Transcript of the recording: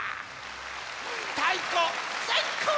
たいこさいこ！